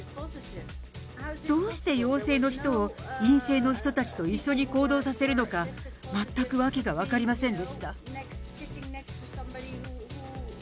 どうして陽性の人を、陰性の人たちと一緒に行動させるのか、全く訳が分かりませんでした。